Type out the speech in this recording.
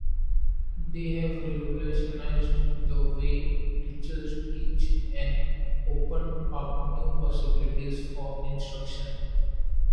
They have revolutionized the way teachers teach and opened up new possibilities for instruction.